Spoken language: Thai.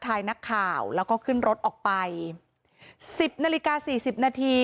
ถ่ายนักข่าวแล้วก็ขึ้นรถออกไปสิบนาฬิกาสี่สิบนาที